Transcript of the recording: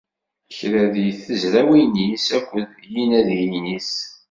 Kra deg tezrawin-is akked yinadiyen-is.